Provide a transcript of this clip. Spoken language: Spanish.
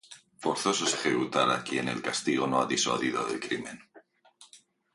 Forzoso es ejecutar a aquel a quien el castigo no ha disuadido del crimen.